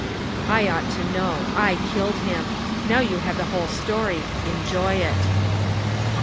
" I ought to know ; I killed him. Now you have the whole story ; enjoy it."